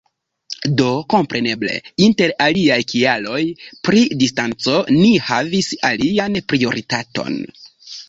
Do, kompreneble inter aliaj kialoj, pri distanco ni havis alian prioritaton.